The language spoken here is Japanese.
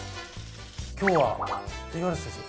今日は五十嵐先生は？